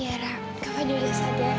ya kak fadil sudah sadar